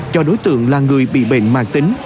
cho đối tượng là người bị bệnh mạng tính